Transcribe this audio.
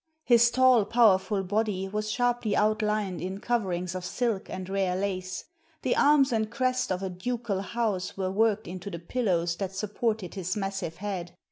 His tall, powerful body was sharply outlined in coverings of silk and rare lace; the arms and crest of a ducal house were worked into the pillows that supported his massive head.